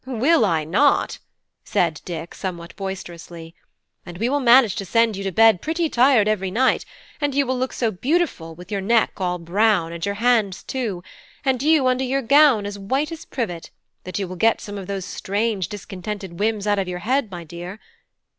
"Will I not?" said Dick, somewhat boisterously. "And we will manage to send you to bed pretty tired every night; and you will look so beautiful with your neck all brown, and your hands too, and you under your gown as white as privet, that you will get some of those strange discontented whims out of your head, my dear.